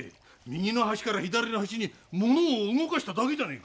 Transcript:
右の端から左の端に物を動かしただけじゃねえか。